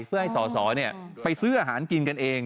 เพื่อให้สอสอไปซื้ออาหารกินกันเอง